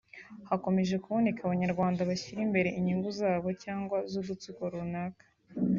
hakomeje kuboneka Abanyarwanda bashyira imbere inyungu zabo cyangwa z’udutsiko runaka